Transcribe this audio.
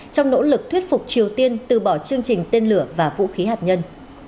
trong nỗ lực thuyết phục triều tiên từ bỏ chương trình tên lửa và vũ khí hạt nhân